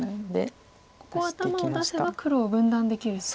ここ頭を出せば黒を分断できるんですね。